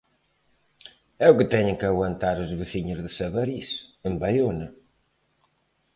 É o que teñen que aguantar os veciños de Sabarís, en Baiona.